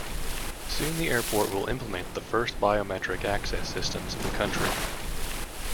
Soon, the airport will implement the first biometric access systems in the country.